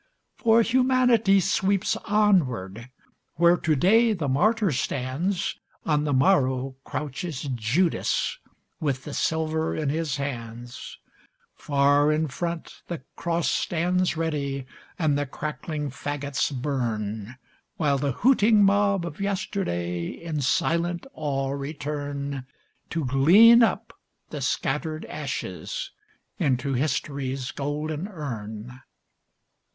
For Humanity sweeps onward: where to day the martyr stands, On the morrow crouches Judas with the silver in his hands; Far in front the cross stands ready and the crackling fagots burn, While the hooting mob of yesterday in silent awe return To glean up the scattered ashes into History's golden urn.